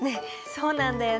そうなんだよね。